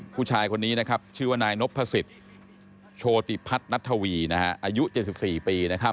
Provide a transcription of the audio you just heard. ผู้ชายคนนี้นะครับชื่อนายนพพภศิษย์โชธิพัฒนัททวีอายุ๗๔ปี